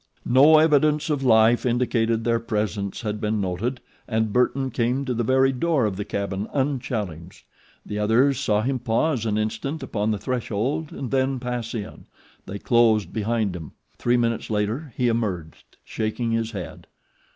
No evidence of life indicated their presence had been noted, and Burton came to the very door of the cabin unchallenged. The others saw him pause an instant upon the threshold and then pass in. They closed behind him. Three minutes later he emerged, shaking his head.